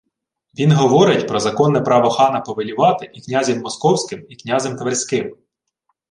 Він говорить про законне право хана повелівати і князем Московським, і князем Тверським